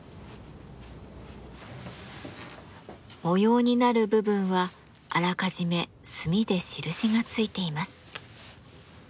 模様になる部分はあらかじめ墨で印がついています。